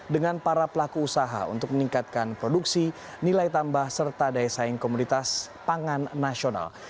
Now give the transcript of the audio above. dengan para pelaku usaha untuk meningkatkan produksi nilai tambah serta daya saing komunitas pangan nasional